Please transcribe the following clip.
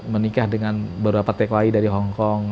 menikah dengan beberapa tki dari hongkong